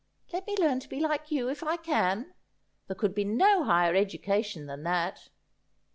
' Let me learn to be like you, if I can. There could be no higher education than that.'